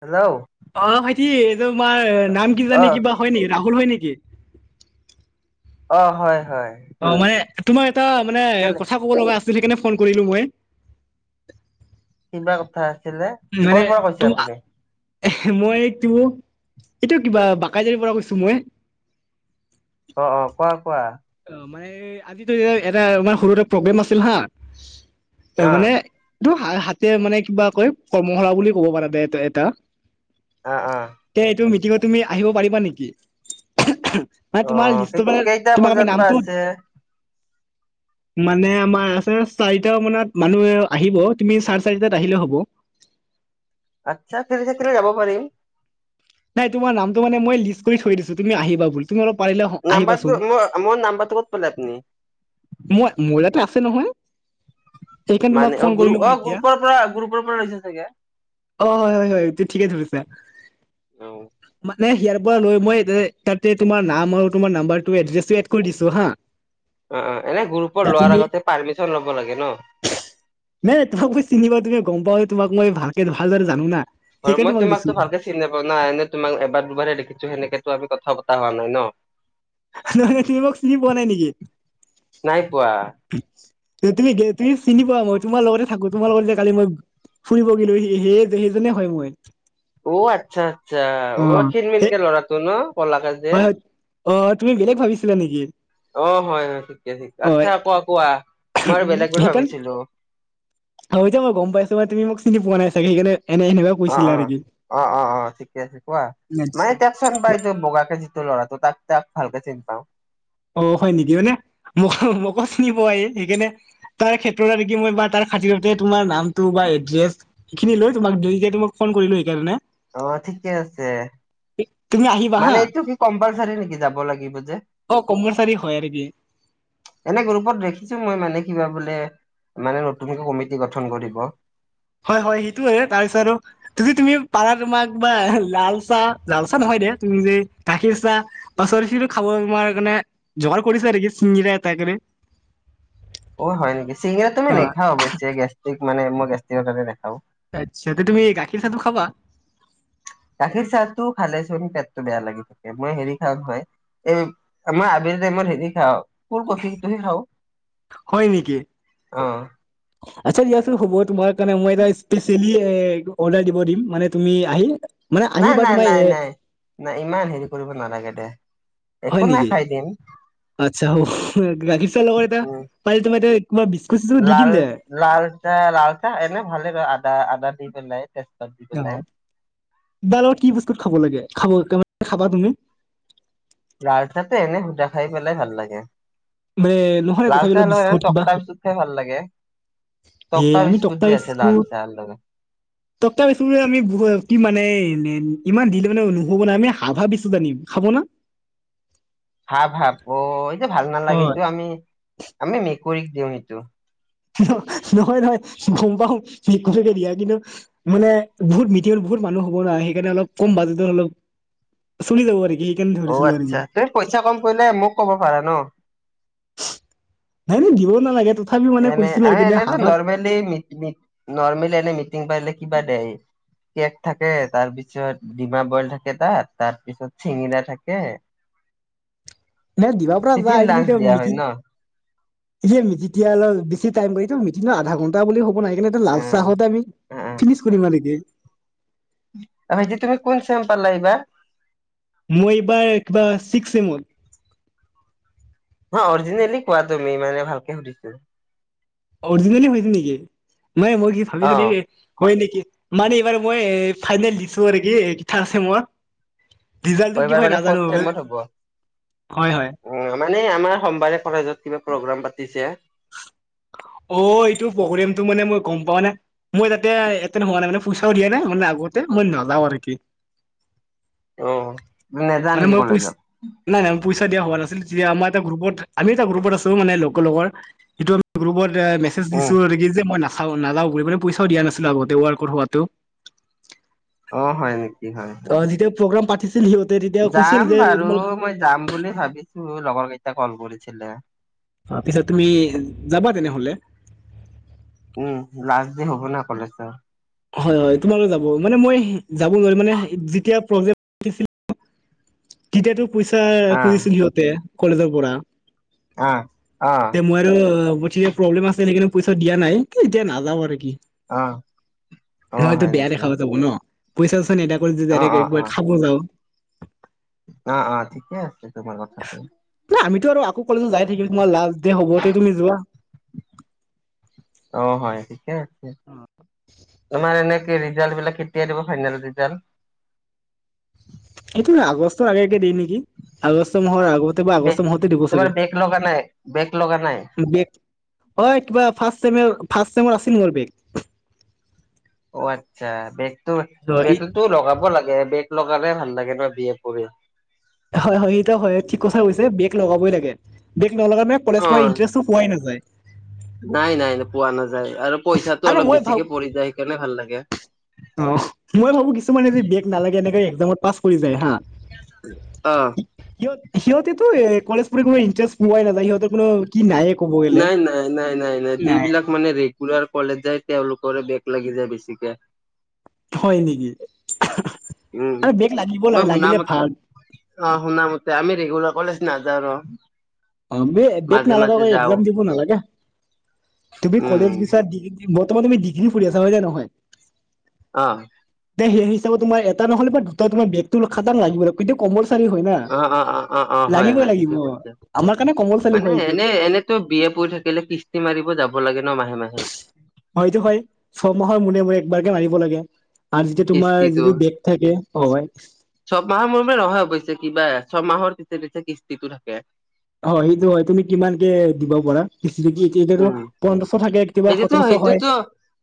Hello. অঁ ভাইটি এই তোমাৰ নাম কি অ জানে কিবা হয় নেকি ৰাহুল হয় নেকি? অঁ হয়। হয় অ মানে তোমাৰ এটা মানে কেলে কথা ক'ব লগা আছিল সেইকাৰনে ফোন কৰিলোঁ মই। কি বা কথা আছিলে ক'ৰ পৰা কৈছে আপুনি? এ মই এইটো এইটো কিবা বাকাইজাৰীৰ পৰা কৈছো মই। অ অ কোৱা কোৱা। অ মানে আজিতো এটা আমাৰ সৰুকে প্ৰগ্ৰেম আছিল হা অ তাৰমানে- এইটো হাতে মানে কিবা কয় কৰ্মশালা বুলি ক'ব পাৰা দে এ এটা। অ অ তে এইটো মিটিঙত তুমি আহিব পাৰিবা নেকি? মানে তোমাৰ লিষ্টো মানে টা তোমাক আমি বজাত বা নামটো আছে। [inaudible] মানে আমাৰ আছে চাৰিটা মানত মানুহ আহিব তুমি চাৰে চাৰিটাত আহিলেও হ'ব। [unintelligible] আচ্ছা ফ্ৰী থাকিলে যাব পাৰিম। নাই তোমাৰ নামটো মানে মই লিষ্ট কৰি থৈ দিছো তুমি আহিবা বুলি। তুমি অলপ- পাৰিলে আহিবাচোন নাম্বাৰটো ম মোৰ নাম্বাৰটো ক'ত পালে আপুনি? মই মোৰ ইয়াতে আছে নহয়। সেইকাৰণে তোমাক মানে ফোন অ কৰিলো গ্ৰুপ মই অ এতিয়া গ্ৰুপৰ পৰা গ্ৰুপৰ পৰা লৈছে চাগে। অ হয় হয় হয় এইটো ঠিকে ধৰিছা। অ মানে ইয়াৰ পৰা লৈ মই তাতে তোমাৰ নাম আৰু তোমাৰ নাম্বাৰটো এড কৰি দিছো হা। অ অ এনেই গ্ৰুপৰ লোৱাৰ আগতে পাৰ্মিচন ল'ব লাগে ন‍। নে তোমাক মই চিনি পাওঁ তোমাক গম পাওঁ তোমাক মই ভালকে ভালদৰে জানো না। আৰু সেইকাৰণে মই তোমাক দিছো তোমাকতো ভালকে চিনি নাপাওঁ না এনেই তোমাক এবাৰ দুবাৰহে দেখছো সেনেকেতো আমি কথা- কথা পতা হোৱা নাই ন। নহয় নহয় তুমি মোক চিনি পোৱা নাই নেকি? নাই পোৱা তুমি গে চিনি পোৱা। মই তোমাৰ লগতে থাকো তোমাৰ লগত যে কালি মই- ফুৰিব গিলো সি সেই সেইজনে হয় মই। অ আচ্ছা আচ্ছা অ খিনমিন সেই কে ল'ৰাটো ন কলাকে যে। অঁ তুমি বেলেগ ভাবিছিলা নেকি? অঁ হয় হয় ঠিকে ঠিক অ আচ্ছা কোৱা কোৱা মই আৰু বেলেগ বুলি সেইকাৰণ ভাবিছিলোঁ। হয়তো মই গম পাইছো বা তুমি মোক চিনি পোৱা নাই। চাগে সেইকাৰণে এনে এনেকুৱা অ কৈছিলা অ আৰু কি অ অ অ ঠিকে আছে কোৱা মানে আচ্ছা দিয়কচোন বাই এইটো বগাকে যি ল'ৰাটো তাক তাক ভালকে চিনি পাওঁ। অ হয় নেকি মানে মোকো মোকো চিনি পাই সি সেইকাৰণে তাৰ ক্ষেত্ৰত আ দেখি মই বা তাৰ খাতিৰতে তোমাৰ নামটো বা এড্ৰেছ এই খিনি লৈ তোমাক দুকেইদিনমানত ফোন কৰিলো সেইকাৰণে। অঁ ঠিকে আছে। তুমি আহিবা মানে হা এইটো কি কম্পালচাৰী নেকি যাব লাগিব যে? অ কম্পালচাৰী হয় আৰু কি এনে গ্ৰুপত দেখিছো মই মানে কিবা বোলে, মানে নতুনকৈ কমিটি গঠন কৰিব। হয় হয়, সেইটোয়ে তাৰছত আৰু যদি তুমি পাৰা তোমাক বা লাল চাহ, লাল চাহ নহয় দিয়া। যে গাখীৰ চাহ, বা [unintelligible] খাবৰ নোৱাৰা কাৰণে জহাৰ কৰিছে নকি চিঙগিৰা এটাই কৰি [inaudible] অ' হয় নেকি, চিগিৰাতো মই অ নেখা অৱশ্যেই গেষ্ট্ৰিক মানে, মই গেষ্ট্ৰিকৰ কাৰনে নেখাও। আচ্ছা, ত' তুমি গাখীৰ চাহটো খাবা? গাখীৰ চাহতো খালে চোন পেটটো বেয়া লাগি থাকে। মই হেৰি খাওঁ হয়, এই মই আবে টাইমত হেৰি খাওঁ, ফুল কফি তোহে খাওঁ। হয় নিকি, অ আচ্ছা দিয়াচোন হব তোমাৰ কাৰণে মই এটা স্পেচিয়েলি এ ইটো অৰ্ডাৰ দিব দিম, মানে তুমি আহি মানে নাই আহিবা নাই তোমাৰ নাই এ নাই নাই, ইমান হেৰি কৰিব নালাগে দে। একো হয় নাই নিকি? খাই দিম আচ্ছা, অহ গাখীৰ চাহ লগত এটা পাৰিলে তোমাৰ এতিয়া লাল-লাল চাহ, লাল চাহ এনে ভালে আদা-আদা দি পেলাই দি অ', পেলাই [unintelligible] লগত কি বিস্কুত খাব লাগে, খাব [unintelligible] খাবা তুমি লাল চাহটো এনেই সুদা খাই পেলাই ভাল লাগে। মানে নহয় লাল তথাপি চাহ অলপ লগত বিস্কুট কিবা টকতা বিস্কুত খাই ভাল লাগে। এ টকতা বিস্কুত যে আছে লাল চাহ লগত টকতা বিস্কুত মানে আমি কি মানে এই নে ইমান দিলে মানে নুহব না, আমি হাভা বিস্কুত আনিম খাব না? এ ভাল অ নালাগে, সিটো আমি আমি মেকুৰীক দিওঁ সিটো। নহয় নহয় গম পাও মিকুৰীকে দিয়া, কিন্তু মানে বহুত মিতি বহুত মানুহ হ'ব না সেইকাৰণে অলপ কম বাজেটত অলপ, চলি যাব পাৰি। অ' আচ্ছা, তুমি পইচা কম পৰিলে মোক ক'ব পাৰা ন। নাই নাই দিব নালাগে, ত এনে, আৰু এনেটো নৰ্মেলি মি মি নৰ্মেলি এনে মিটিং পাৰে কিবা দেই। কেক থাকে, তাৰপিছত ডিমা বইল থাকে তাত, তাৰপিছত চিঙিৰা থাকে [inaudible] নে দিবা পাৰা টিফিন যায়, কিন্ত লাঞ্চ ইতিয়া দিয়া হয় মিকিৰি ন এ যে [unintelligible] অলপ বিছি টাইম কৰি মি ন আধা ঘন্টা বুলি অকমান আহিকেনে ইয়াতে অ লাল চাহতে আমি, অ ফিনিচ কৰিবা নিকি। ভাইটি তুমি কোন চেম পালা এইবাৰ? মই এইবাৰ কিবা চিকচ ছেমত। ন অৰিজিনেলি কোৱা তুমি মানে ভালকে সুধিছো। অৰিজিনেলি হৈছে নেকি? মই কি অ ভাবিছোঁ হয় নেকি? মানে এইবাৰ মই ফাইনেল দিছো আৰু কি পিঠা আছে মোৰ। এইবাৰ মানে ফৰ্থ চেমত হ'ব। হয় হয় অ মানে আমাৰ সোমবাৰে কলেজত কিবা প্ৰগ্ৰাম পাতি অ এইটো প্ৰগ্ৰেমটো মানে মই গম পোৱা নে মই তাতে এতে ন হোৱা নাই মানে। পইচাও দিয়া নাই মানে আগতে মই নাযাওঁ আৰু কি। উ তুমি নেযোৱা মানে নেকি মই পইচ কলেজত? নাই নাই পইচা দিয়া হোৱা নাছিল। যে আমাৰ এটা গ্ৰুপত আমি এটা গ্ৰুপত আছো। মানে লকেল [unintelligible] যিটো আমি গ্ৰুপত মেছেজ উম দিছো আৰু কি যে মই ন যাওঁ নাযাও বুলি মানে পইচাও দিয়া নাছিলো আগতে ৱাৰ্কৰ হোৱাটো। অ হয় নেক অ যেতিয়া প্ৰগ্ৰাম পাতিছে যাম বাৰু। মই যাম বুলি ভাবিছো, লগৰ কেইটা কল কৰিছিলে। অ পিছত তুমি যাবা তেনেহলে। উম লাষ্ট দে হ'ব না কলেজৰ। হয়, হয়। তোমাল যাব মানে মই যাব নোৱাৰিম মানে যেতিয়া প্ৰ তিতিয়াটো পইচা খুজিছিল সিহঁতে কলেজৰ পৰা। আ। তে মই আৰু প্ৰব্লেম আছে নেকি কাৰণে পইচা দিয়া নাই। কি এতিয়া নাযাওঁ আৰু কি। অ', অ', হয়তো হয় বেয়া নেকি দেখাব যাব ন? পইচা চইচা নেদা কৰি যে অ', যদি একবাৰ খাব যাওঁ। আহ অ ঠিকে আছে তোমাৰ কথাটো। ন আমিতো আৰু আকৌ কলেজত যাই থাকিল তোমাৰ লাষ্ট দে হ'ব তে তুমি যোৱা। অ', হয় ঠিকে আছে। তোমাৰ এনে ৰিজাল্ট বিলাক কেতিয়া দিব ফাইনেল ৰিজাল্ট? এইটো আগষ্টৰ আগে কে দিয়ে নেকি? আগষ্ট মাহৰ আগতে বা আগষ্ট মাহতে দিব তোমাৰ চাগে। বেগ লগা নাই বেগ লগা নাই হয় কিবা ফাৰ্ষ্ট চেমেৰ ফাৰ্ষ্ট চেমৰ আছিল মোৰ বেক। অ আচ্ছা, বেকটো হয় বেকতোটো লগাব লাগে। বেক লগালে ভাল লাগে ধৰা বি এত পঢ়ি হয়-হয়, সেটো হয় ঠিক কথা কৈছে। বেক লগাবই লাগে। বেক নলগালে কলেজ পোৱা ইণ্টাৰেষ্টটো পোৱাই নাযায়। নাই-নাই, পোৱা নাযায় আৰু পইচাটো আৰু অলপ মই ভাবো বেছিকে পৰি যায় সেইকাৰণে ভাল লাগে। অ মই ভাবো কিছুমানে যে বেক নালাগে, এনেকে একজামত পাছ কৰি যায় হা। অ। সিহঁত সিহঁতেতো কলেজ পঢ়ো ইন্টাৰেষ্ট পোৱাই নাযায়। সিহঁতেটো কোন কি নাই ক'ব গ'লে। নাই- নাই - নাই - নাই -। যিবিলাক মানে ৰেগুলাৰ কলেজ যায় তেওঁলোকৰে বেক লাগি যায় বেছিকে। হয় নেকি? উম। আৰু বেগ লাগিব মই লাগে, শুনা লাগিলে মত ভাল। অ শুনামতে। আমি ৰেগুলাৰ কলেজ নাযাওঁ ন। বেগ নালগে আৰু যাওঁ একজাম দিব নালাগে। তুমি উম কলেজ গৈছা বৰ্তমান তুমি ডিগ্ৰী ফুৰি আছা হয় নে নহয়? অ। এ সেই হিচাপে তোমাৰ এটা নহ'লে দুটা তোমাৰ বেতটো খাটাং লাগিব। কিন্তু কমাৰ্চ অ-অ-অ-অ-অ, হয়-হয়। লাগিব ঠিকেই কৈছে। আমাৰ কাৰণে কম্পালচাৰী মানে হয় এইটো। এনে এনেতো বি এ পঢ়ি থাকিলে কিস্তি মাৰিব যাব লা হেইটো হয়। ছয়মাহৰ মূৰে মূৰে একবাৰকে মাৰিব লাগে। আৰু যেতিয়া তোমাৰ যদি বেক থাকে ত হয়। ছবমাহৰ মূৰে মূৰে নহয় অৱশ্যে কিবা ছমাহৰ পিছতে কিস্তিটো হব হয় সেইটো হয় তুমি কিমান কে দিব পাৰা যদি এতিয়া উম পোন্ধৰশ থাকে কেতিয়াবা সোতৰশ হয়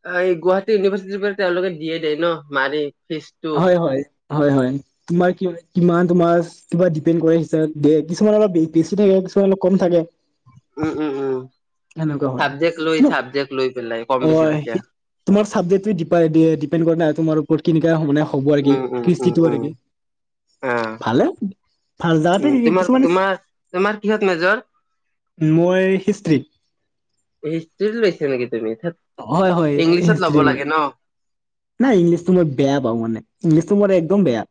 অ এই গুৱাহাটী ইউনিভাৰ্চিটিৰ পৰা তেওঁলোকে দিয়ে দিয়ে ন মাৰি ফিজটো হয় হয় হয় হয় তোমাৰ কিমান তোমাৰ কিবা ডিপেড কৰে কিছুমানৰ বেছি থাকে কিছুমানত অলপ কম থাকে উম উম উম সেনেকুৱা হয় চাবজেক্ট লৈ চাবজেক্ট লৈ পেলাই কম অ বেছি থাকে তোমাৰ চাবজেক্ট দ্বিপেন তোমাৰ ওপৰত কেনে মানে হ'ব আৰু কি উম উম উম কৃষ্টিটো আৰু উম কি আহ ভালে ভাল [unintelligible] উম যাৱাতে তোমাৰ কিছুমান তোমাৰ তোমাৰ কিহত মেজৰ? মই হিষ্ট্ৰিত হিষ্ট্ৰ্ৰী লৈছা নেকি তুমি ধেৎ, হয় হয় ইংলিছত ল'ব হিষ্ট্ৰি মই লাগে ন? নাই ইংলিছ তো মই বেয়া পাও মানে ইংলিছ তো মোৰ একদম বেয়া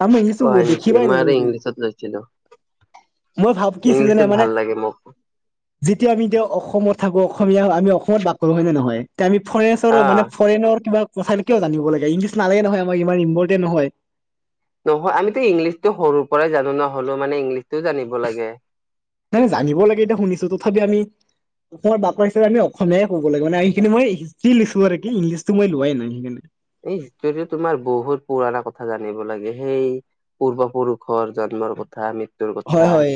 আৰু মই অ ইংলিছটো হয় নেকি? দেখিবই মই নোৱাৰো আৰু মানে। ইংলিছত লৈছিলো। মোৰ ভাব কি আছে জানা ইংলিছত মানে ভাল লাগে মোক। যেতিয়া আমি এতিয়া অসমত থাকো অসমীয়া আমি অসমত বাস কৰো হয় নে নহয় আমি ফৰেচৰ আহ মানে ফৰেনৰ কিবা কথ কিয় জানিব লাগে ইংলিছ নালাগে নহয় আম ইমান ইম্পৰ্টেণ্ নহয়। নহয় আমিতো ইংলিছতটো সৰুৰ পৰাই জানো ন হলো মানে ইংলিছ নাই নাই জানিব লাগে এইটো শুনিছো তথাপি আমি অসমৰ বাপ হিচাপে আমি অসমীয় কব লাগে মানে আমি সেই খিনি মই শিকি লৈছোঁ আৰু কি ইংলিছটো মই লোৱাই নাই সেইখিনি এই হিষ্টটো তোমাৰ বহুত পুৰণা কথা জানিব লাগে সেই পূৰ্বপুৰুষৰ জ কথা আমি হয় হয়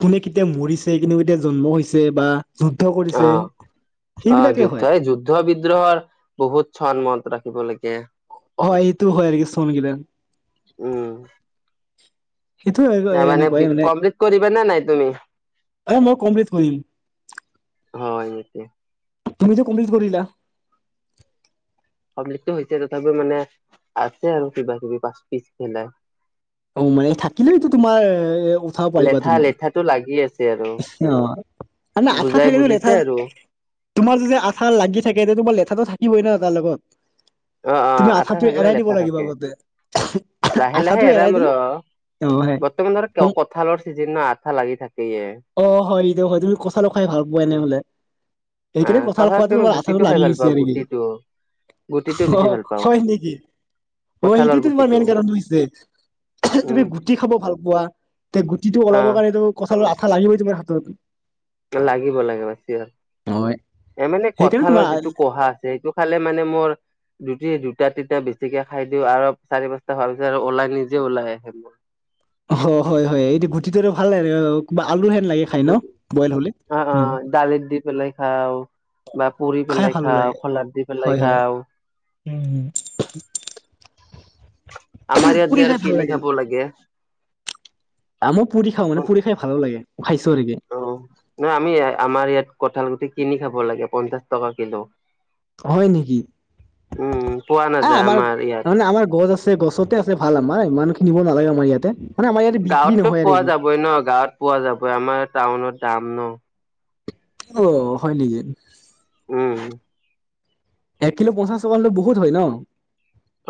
কোনে কেতিয়া মৰিছে কোনে কেতিয়া জন্ম হৈছে বা যুদ্ধ অ কৰিছে অ সেইবিলাকে যুদ্ধ হয় এই যুদ্ধ বিদ্ৰোহৰ বহুত চন মনত ৰাখিব লাগিব। হয় এইটো হয় চন কেইটা। উম সেইটো এনেকুৱাই মানে বনা নাই তুমি অ মই কমপ্লিট কৰিম। হয় নেকি তুমি টো কমপ্লিট কৰিলা। পাব্লিকটো হৈছে তথাপিও মানে আছে আৰু কিবা কিবি পাচ পিছ মিলাই। অ মানে থাকিলেতো তোমাৰ উঠাব পাৰিবা লেঠা তুমি। লেঠাটো লাগি আছে আৰু অ আঠা বুজাই থাকিলেও বুজিছে লেঠা আৰু তোমাৰ যদি আঠা লাগি থাকে তেতিয়া তোমাৰ লেঠাটো থাকিবই ন তাৰ লগত। অ অ তুমি আঠা আঠাটো থাকিলে এৰাই দিব লেঠা লাগিব থাকে, আগতে লাহে লাহে আঠাটো এৰাই এৰাম দিলো ৰ অ হয় বৰ্তমান ধৰা কঁঠালৰ চিজন আঠা লাগি থাকেইয়ে। অ হয় দে হয় তুমি কঠাল খাই ভাল পোৱা উম নহলে সেইকাৰণে আহ কঠাল খুৱাটো কঁঠালতকে মই তোমাৰ আঠাটো গুটিটো খাই লাগি ভাল গৈছে পাওঁ নেকি? গুটিটো গুটিটো অ বেছি ভাল পাওঁ হয় নেকি অ সেইটো কঁঠালৰ তোমাৰ গুটিটো মেইন কাৰণটো হৈছে। তুমি উম গুটি খাব ভাল পোৱা তে গুটিটো অ ওলাবৰ কাৰণে তোমাৰ আঠা লাগিবই তোমাৰ হাতত। লাগিব লাগিব হয় এ মানে সেইকাৰণে কঠালৰ তোমাৰ যিটো কঢ়া সেইটো খালে মানে মোৰ জুট তিতা তিতা বেছিকে খাই দিওঁ আৰু চাৰি পাঁচটা খোৱাৰ পিছত আৰু ওলাই নিজে ওলাই আহে মোৰ। অ হয় হয় এইটো গুটিটো ভাল ন। আলু হেন লাগে খাই না বইল হ'লে। অ অ দালিত দি পেলাই খাওঁ বা পুৰি খাই পেলাই ভালো লাগে খাওঁ, খোলাত দি পেলাই হয় হয় খাওঁ। উম আমাৰ ইয়াত পুৰি যে খাই আৰু ভাল কিনি খাব লাগে। মই পুৰি খাওঁ অ মানে পুৰি খাই ভাল লাগে খাইছো আৰু দে। নহয় আমি আমাৰ ইয়াত কঁঠাল গুটি কিনি খাব লাগে পঞ্চাশ টকা কিলো। হয় নেকি, উম পোৱা এ নাযায় আমাৰ ইয়াত মানে আমাৰ গছ আছে। আছে গছতে আছে ভাল আমাৰ ইমান খিনিব নালাগে আমাৰ ইয়াতে। মানে আমাৰ ইয়াতে বিক্ৰী গাঁৱটো নহয় আৰু পোৱা কি যাবই ন গাঁৱত পোৱা যাবই আমাৰ টাউনত দাম ন। অঁ হয় নেকি? উম! এক কিলো পঞ্চাশ টকা বহুত হয় ন।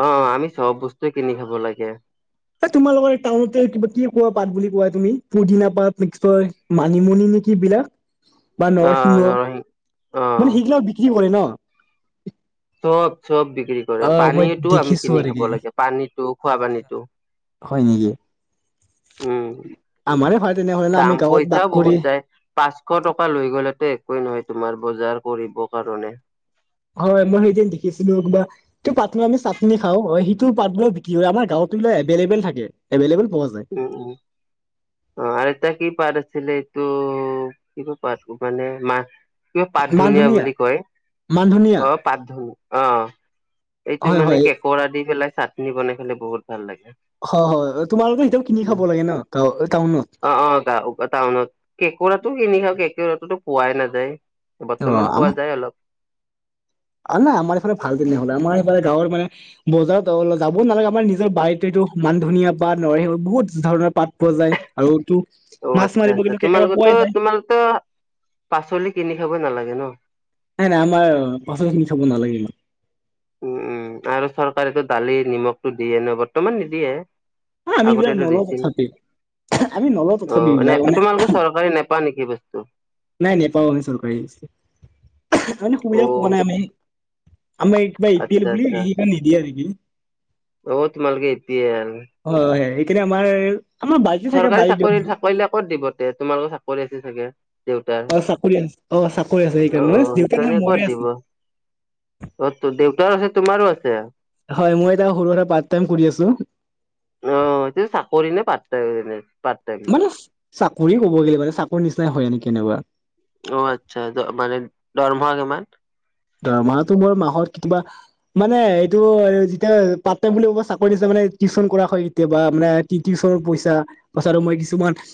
অঁ অঁ আমি চব বস্তুৱে কিনি খাব লাগে। এ তোমালোকৰ এই টাউনতে কিবা কি কোৱা পাত বুলি কোৱা তুমি পদুনা পাত নিশ্চয় মানিমুনি। কি বিলাক বা অ', নৰসিংহ নৰসিং অ', মানে সেইগিলাক বিক্ৰী কৰে ন। চব চব বিক্ৰী কৰে অ মই পানীতো আমি দেখিছো কিনি আৰু কি খাব লাগে পানী খোৱা পানী। হয় নেকি? উম! আমাৰে হয় তেনেহ'লে ন আমি দাম গাঁৱত বাস পইচাও কৰি বহুত যায় পাঁচশ টকা লৈ গ'লে তে। একো নহয় তোমাৰ বজাৰ কৰিব কাৰণে। হয় মই সেইদিন দেখিছিলো কিবা সটো পাট আমি চাটনি খাও হয় সিটো পাট ম বিক্ৰী হয় আমাৰ গাঁৱত [unintelligible] এভলেব থাকে এভলেব। উম উম অঁ আৰু এটায় কি পাৰ। আছিলে এইটো কি ক প মানে মাহ [unintelligible] কিবা পাত মান ধুনিয় ধনিয়া বুলি কয় মান ধনিয়া অ পাত ধনীয়া অ। এইটো হয় মানে হয় কেক আ দি পেলাই চাটনি বনাই খালে বহুত ভাল লাগে। হয় হয়। তোমালোকে এতিয়াও কিনি খাব লাগে ন গাঁও টাউনত অঁ অঁ টাউনত কেকোৰাটো কিনি খা। তো পোৱাই নাযায় অ বৰ্তমান আম পোৱা যায় অলপ। নাই আমাৰ সফালে ভাল কেনেহ'লে আমাৰ সেইফে গাঁৱ মানে বজাৰত যাব নালাগে আমাৰ নিজৰ বাৰটো। মান ধুনীয়া বা ন বহুত ধৰণৰ পাত পোৱা যায় আৰুটো। অঁ আচ্ছা আচ্ছা তোমালোকো তোমালোকতো পাচলি কিনি খাব নালাগে ন। নাই নাই আমাৰ পাচলি কিনি খাব নালাগে। উম উম আৰু চৰকাৰেতো দালি নিমখটো দিয়ে ন বৰ্তমান নিদিয়ে। আ, আমি এইবিলাক আগতেটো নলওঁ দিছিল তথাপি আমি নলওঁ অ তথাপি নে এইবিলাক মানে তোমালোকে চৰকাৰী নেপা নেকি। কি বস্তু। নাই নেপাওঁ আমি চৰকাৰী সেই কাৰণে অ সুবিধা পোৱা নাই আমি। আমাৰ এই কিবা এ পি এল বুলি নিদিয়ে আৰু [unintelligible] অঁ তোমালোকে এতিয়া ৰ। এতিয়া আমাৰ। বাৰীতে থাকে চৰকাৰী বাৰী দিয়ক চাকৰি চাকৰিলে ক'ত দিব তে তোমালোকৰ চাকৰি আছে চাগে। দেউতাৰ অ চাকৰি আছে অ চাকৰি আছে অঁ সেইকাৰণে মানে দেউতা নাই সেইকাৰণে মৰে কত আছে দিব। অত তত দেউতাৰো আছে তোমাৰো আছে। হয় মই এতিয়া সৰু সুৰা পাৰ্ট টাইম কৰি আছো। িনি [unintelligible] মানে চাকৰিয়ে ক'ব গলে মানে চাকৰিৰ নিচিনাই হয় একি এনেকুৱা [unintelligible] অঁ আচ্ছা মানে দৰমহা কিমান। দৰমহাটো মোৰ মাহত কিবা মানে এইটো যেতিয়া পাত টাইম বুলি ক'ব চাকৰি হিচাপে। মানে টিউশন কৰা হয় কেতিয়াবা মানে টিউচনৰ পইচা পইচা মই কিছুমান।